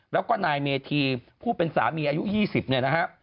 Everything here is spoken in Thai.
แล้วก็นายเมธีผู้เป็นสามีอายุ๒๐เนี่ยนะฮะ